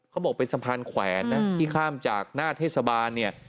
เขาบอกเป็นสะพานแขวนนะที่ข้ามจากหน้าเทศบาลเนี่ย